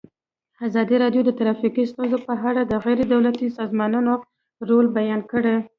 ازادي راډیو د ټرافیکي ستونزې په اړه د غیر دولتي سازمانونو رول بیان کړی.